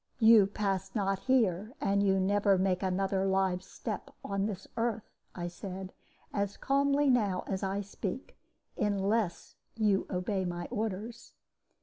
"'You pass not here, and you never make another live step on this earth,' I said, as calmly as now I speak, 'unless you obey my orders.'